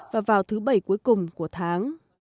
và vào thứ bảy cuối cùng của tháng